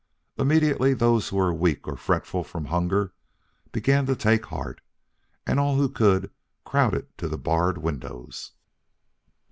Immediately those who were weak or fretful from hunger began to take heart, and all who could crowded to the barred windows.